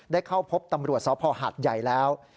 ได้เข้าพบตำรวจสภหัดใหญ่แล้ว